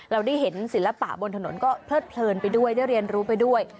เราได้เห็นศิลปะบนถนนก็เพลิดเพลินไปด้วยได้เรียนรู้ไปด้วย